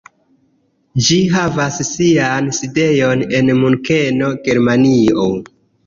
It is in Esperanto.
Ĝi havas sian sidejon en Munkeno, Germanio.